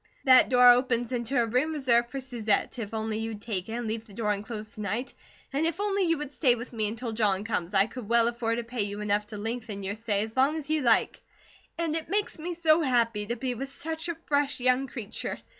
That door opens into a room reserved for Susette, if only you'd take it, and leave the door unclosed to night, and if only you would stay with me until John comes I could well afford to pay you enough to lengthen your stay as long as you'd like; and it makes me so happy to be with such a fresh young creature.